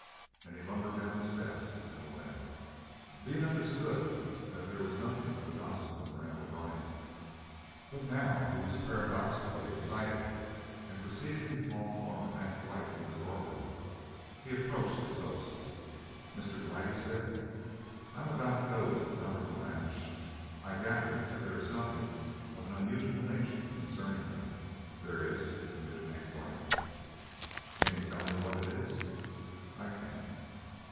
And he lumbered down the steps and away. Be it understood that there was nothing of the gossip in Randall Byrne, but now he was pardonably excited and perceiving the tall form of Hank Dwight in the doorway he approached his host. "Mr. Dwight," he said, "I am about to go to the Cumberland ranch. I gather that there is something of an unusual nature concerning them." "There is," admitted Hank Dwight. "Can you tell me what it is?" "I can."